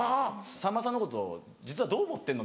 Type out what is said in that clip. さんまさんのこと実はどう思ってるの？